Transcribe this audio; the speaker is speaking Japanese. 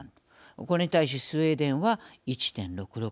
これに対しスウェーデンは１．６６